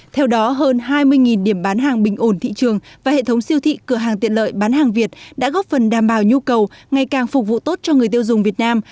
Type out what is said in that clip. theo đó hơn hai mươi điểm bán hàng bình ổn thị trường và hệ thống siêu thị cửa hàng tiện lợi bán hàng việt đã góp phần đảm bảo nhu cầu ngày càng phục vụ tốt cho người tiêu dùng việt nam